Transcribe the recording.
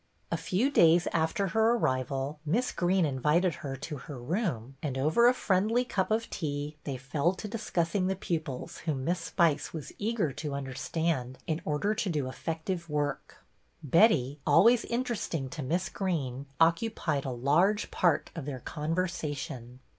A few days after her arrival Miss Greene invited her to her room, and over a friendly cup of tea they fell to discussing the pupils whom Miss Spice was eager to understand in order to do effective work. Betty, always interesting to Miss Greene, occupied a large part of their conversation.